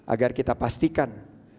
agar kita pastikan